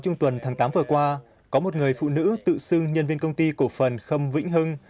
trong tuần tháng tám vừa qua có một người phụ nữ tự xưng nhân viên công ty cổ phần khâm vĩnh hưng